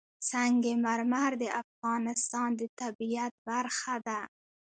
سنگ مرمر د افغانستان د طبیعت برخه ده.